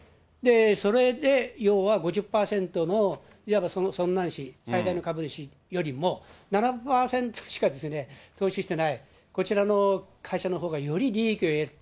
それで要は５０％のいわばソンナム市最大の株主よりも、７％しか投資してない、こちらの会社のほうが、より利益を得る。